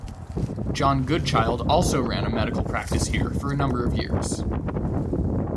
John Goodchild also ran a medical practice here for a number of years.